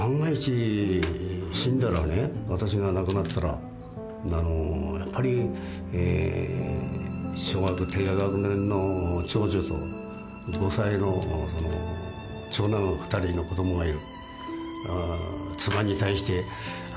私が亡くなったらやっぱり小学低学年の長女と５歳の長男の２人の子供がいる。